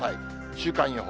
週間予報。